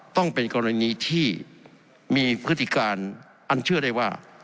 ต้องเป็นกรณีที่มีพฤติการอันเชื่อได้ว่า